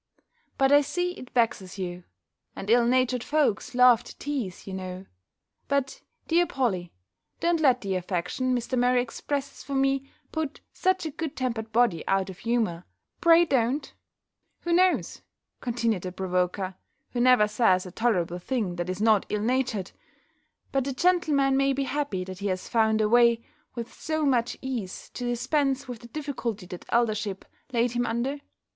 But I see it vexes you; and ill natured folks love to teaze, you know. But, dear Polly, don't let the affection Mr. Murray expresses for me, put such a good tempered body out of humour, pray don't Who knows" (continued the provoker, who never says a tolerable thing that is not ill natured) "but the gentleman may be happy that he has found a way, with so much ease, to dispense with the difficulty that eldership laid him under?